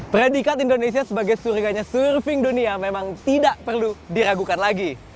predikat indonesia sebagai surganya surfing dunia memang tidak perlu diragukan lagi